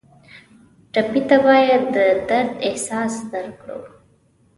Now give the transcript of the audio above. ټپي ته باید د درد احساس درکړو.